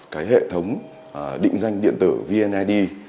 cái hệ thống định danh điện tử vnid